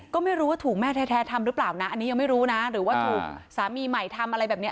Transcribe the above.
ก็ไม่รู้ว่าถูกแม่แท้ทำหรือเปล่านะอันนี้ยังไม่รู้นะหรือว่าถูกสามีใหม่ทำอะไรแบบนี้